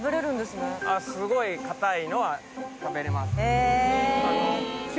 すごいかたいのは食べれますね。